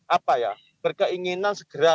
apa ya berkeinginan segera